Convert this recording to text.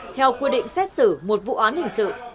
theo quy định xét xử một vụ án hình sự